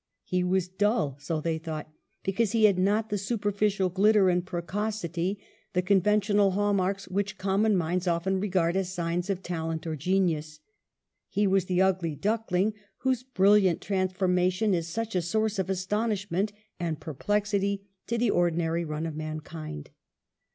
He was dull, so they thought, because he had not the superficial glitter and precocity, the conventional hall marks which common minds often regard as signs of talent or genius. He was the " ugly duckling,'' whose brilliant transformation is such a source of astonishment and perplexity to the ordinary run of mankind.